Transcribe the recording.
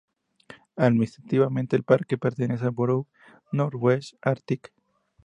Administrativamente, el parque pertenece al borough Northwest Arctic.